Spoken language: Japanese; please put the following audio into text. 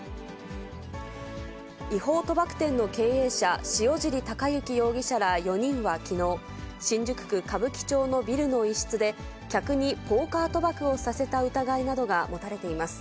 違法賭博店の経営者、塩尻誉征容疑者ら４人はきのう、新宿区歌舞伎町のビルの一室で、客にポーカー賭博をさせた疑いなどが持たれています。